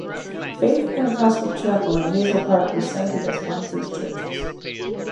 Faith Pentecostal chapel in Hazel Park was cited as one of these churches.